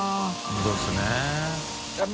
本当ですね。